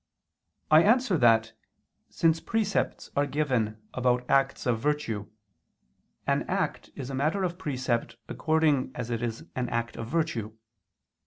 I answer that, Since precepts are given about acts of virtue, an act is a matter of precept according as it is an act of virtue.